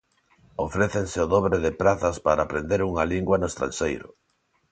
Ofrécense o dobre de prazas para aprender unha lingua no estranxeiro.